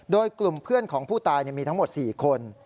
โดยกลุ่มเพื่อนของผู้ตายมีทั้งหมด๔คน